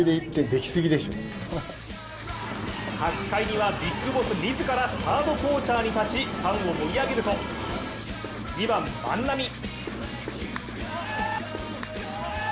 ８回にはビッグボス自らサードコーチャーに立ちファンを盛り上げると２番・万波。